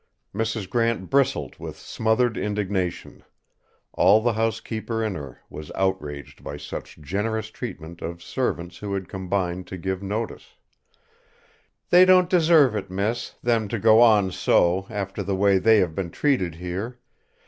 Mrs. Grant bristled with smothered indignation; all the housekeeper in her was outraged by such generous treatment of servants who had combined to give notice: "They don't deserve it, miss; them to go on so, after the way they have been treated here.